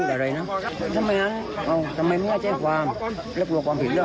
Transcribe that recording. ของพี่สามนี้ไหมของครับ